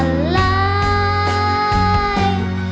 เพลงที่๒มาเลยครับ